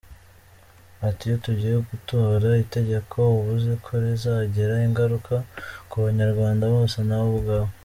Ati “Iyo tugiye gutora itegeko uba uziko rizagira ingaruka ku Banyarwanda bose nawe ubwawe.